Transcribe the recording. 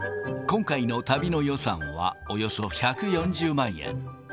今回の旅の予算は、およそ１４０万円。